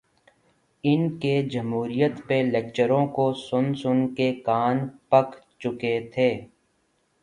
ان کے جمہوریت پہ لیکچروں کو سن سن کے کان پک چکے تھے۔